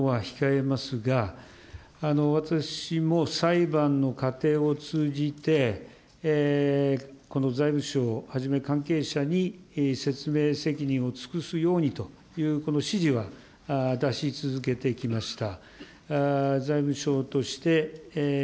判決について、直接コメントするのは控えますが、私も裁判の過程を通じて、このをはじめ、関係者に説明責任を尽くすようにというこの指示は出し続けてきました。